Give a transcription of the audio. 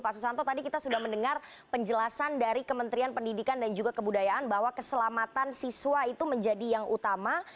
pak susanto tadi kita sudah mendengar penjelasan dari kementerian pendidikan dan juga kebudayaan bahwa keselamatan siswa itu menjadi yang utama